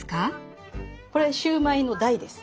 これシューマイの台です。